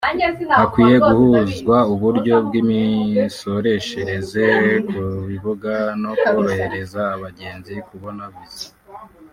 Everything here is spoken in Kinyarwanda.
hakwiye guhuzwa uburyo bw’imisoreshereze ku bibuga no korohereza abagenzi kubona visa